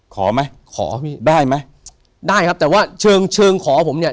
ขอไหมขอพี่ได้ไหมได้ครับแต่ว่าเชิงเชิงขอผมเนี่ย